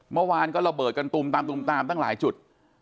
เมื่อวานก็ระเบิดกันตุมตามตุมตามตั้งหลายจุด